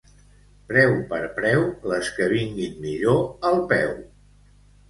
Preu per preu, les que vinguin millor al peu.